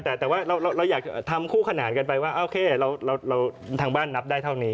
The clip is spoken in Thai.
แต่ว่าเราอยากทำคู่ขนานกันไปว่าโอเคเราทางบ้านนับได้เท่านี้